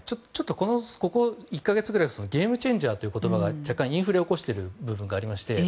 ここ１か月ぐらいゲームチェンジャーという言葉が若干インフレを起こしている部分がありまして。